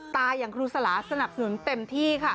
อย่างครูสลาสนับสนุนเต็มที่ค่ะ